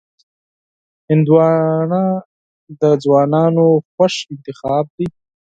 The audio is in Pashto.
هندوانه د ځوانانو خوښ انتخاب دی.